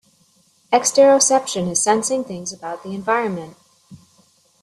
Exteroception is sensing things about the environment.